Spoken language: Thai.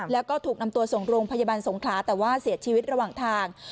แล้วก็ถูกนำตัวส่งโรงพยาบาลสงขลาแต่ว่าเสียชีวิตระหว่างทาง